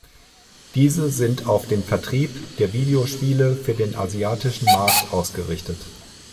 Diese sind auf den Vertrieb der Videospiele für den asiatischen Markt ausgerichtet.